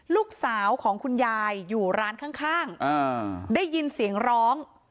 ลูกชายของคุณยายอยู่ร้านข้างได้ยินเสียงร้อง